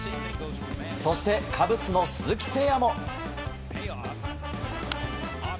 そしてカブスの鈴木誠也も。